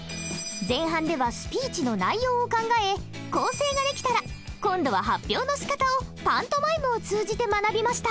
前半ではスピーチの内容を考え構成が出来たら今度は発表のしかたをパントマイムを通じて学びました。